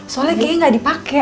soalnya kayaknya nggak dipakai